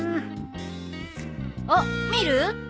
あっ見る？